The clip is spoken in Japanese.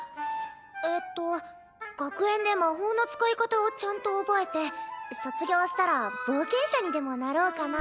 えっと学園で魔法の使い方をちゃんと覚えて卒業したら冒険者にでもなろうかなぁと。